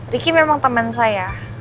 riki memang temen saya